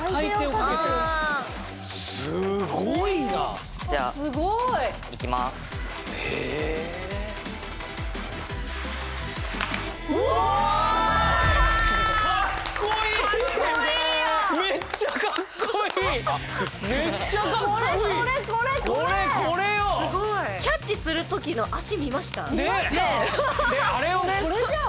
もうこれじゃん。